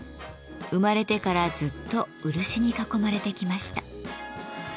生まれてからずっと漆に囲まれてきました。